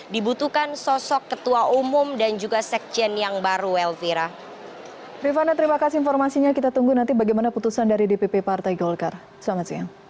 dibutuhkan sosok ketua umum dan juga sekjen yang baru elvira